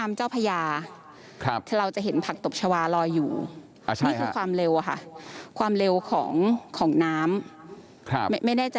แล้วบางทีจะเป็นลักษณะคล้ายกับเป็นร่องน้ำ